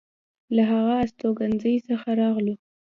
له هغه استوګنځي څخه راغلو.